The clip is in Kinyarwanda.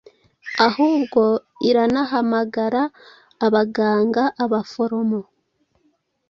ahubwo iranahamagara abaganga, abaforomo,